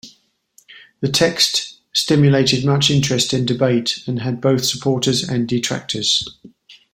The text stimulated much interest and debate, and had both supporters and detractors.